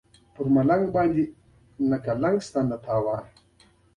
په ملنګ باندې قلنګ او تاوان نشته.